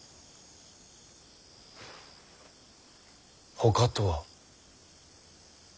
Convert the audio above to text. ほかとは？